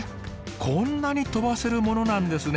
こんなに飛ばせるものなんですね。